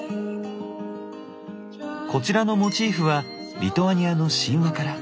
こちらのモチーフはリトアニアの神話から。